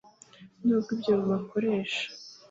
n'ubw'ibyo bubakoresha